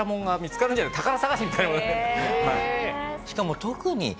しかも特に。